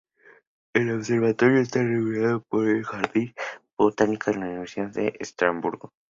El observatorio está rodeado por el Jardín Botánico de la Universidad de Estrasburgo.